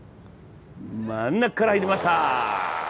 真ん中から入りました。